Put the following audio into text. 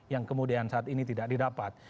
yang kemudian saat ini tidak didapat